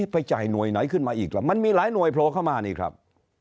ไปจ่ายหน่วยไหนขึ้นมาอีกล่ะมันมีหลายหน่วยโผล่เข้ามานี่ครับ